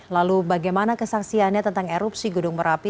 lalu bagaimana kesaksiannya tentang erupsi gunung merapi